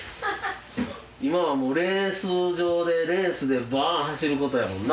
今はもうレース場でレースでバーッ走る事やもんな。